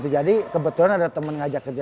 jadi kebetulan ada temen ngajak joinnya